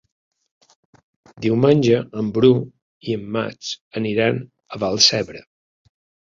Diumenge en Bru i en Max aniran a Vallcebre.